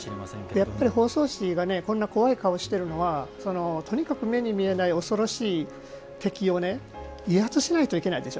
やっぱり方相氏がこんなに怖い顔をしてるのはとにかく目に見えない恐ろしい敵を威圧しないといけないでしょ。